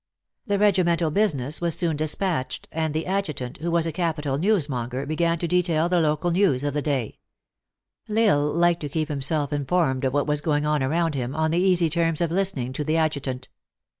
The regimental business was soon dispatched, and the adjutant, who was a capital newsmonger, began to detail the local news of the day. L Isle liked to 60 THE ACTRESS IN HIGH LIFE. keep himself informed of what was going on around him, on the easy terms of listening to the adjutant.